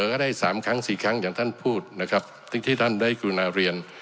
ก็ได้๓ครั้ง๔ครั้งอย่างท่านพูดนะครับที่ท่านได้กรุณาเรียน